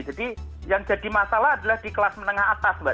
jadi yang jadi masalah adalah di kelas menengah atas mbak